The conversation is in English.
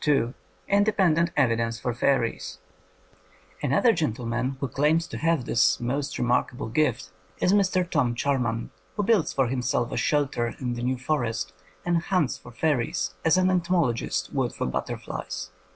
139 THE COMING OF THE FAIRIES Another gentleman who claims to have this most remarkable gift is Mr. Tom Char man, who builds for himself a shelter in the New Forest and hunts for fairies as an ento mologist would for butterflies.